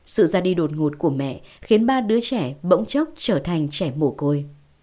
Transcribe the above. sự ra đi đột ngột của mẹ khiến ba đứa trẻ bỗng chốc trở thành trẻ mồ côi